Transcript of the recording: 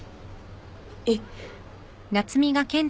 えっ？